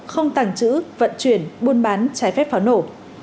không tàng trữ vận chuyển buôn bán trái phép pháo nổ